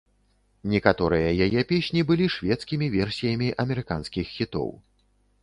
Некаторыя яе песні былі шведскімі версіямі амерыканскіх хітоў.